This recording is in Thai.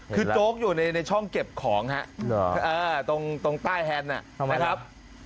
คือโจ๊กอยู่ในช่องเก็บของฮะตรงใต้แฮนด์นะครับ